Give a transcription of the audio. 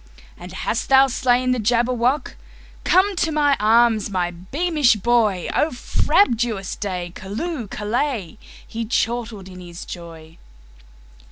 "And hast thou slain the Jabberwock? Come to my arms, my beamish boy!O frabjous day! Callooh! Callay!"He chortled in his joy.